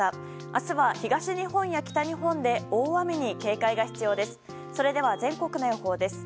明日は東日本や北日本で大雨に警戒が必要です。